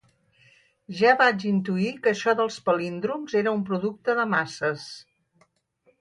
Ja vaig intuir que això dels palíndroms era un producte de masses.